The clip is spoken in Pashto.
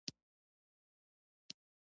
زردالو د خوړو خوند زیاتوي.